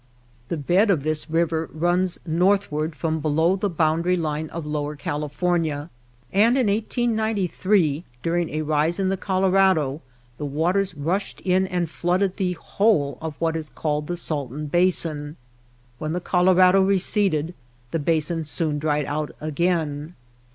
The bed of this river runs northward from below the boundary I line of Lower California ; and in 1893, during THE BOTTOM OF THE BOWL 49 a rise in the Colorado, the waters rushed in and flooded the whole of what is called the Salton Basin. When the Colorado receded, the basin soon dried out again.